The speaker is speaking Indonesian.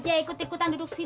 tak ada ikut ikutan duduk sini